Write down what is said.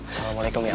assalamualaikum ya pak